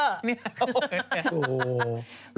โอ้โห